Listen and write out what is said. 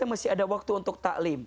kalau kita masih ada waktu untuk ta'lim